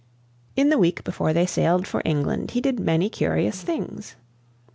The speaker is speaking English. In the week before they sailed for England he did many curious things.